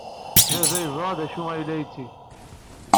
Baba yeẓra d acu ay la yetteg.